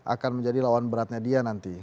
akan menjadi lawan beratnya dia nanti